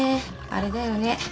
あれだよね。